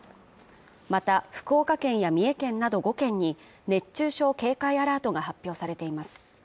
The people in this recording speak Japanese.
また、福岡県や三重県など５県に熱中症警戒アラートが発表されています。